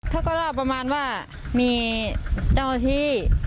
เขาก็เล่าประมาณว่ามีเจ้าหน้าที่